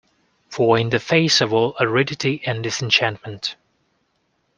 For in the face of all aridity and disenchantment